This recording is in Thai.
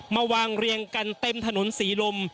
มาวางเรียงกันเต็มถนนศรีลม